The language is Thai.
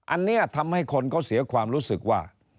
อันนี้ทำให้คนเขาเสียความรู้สึกว่า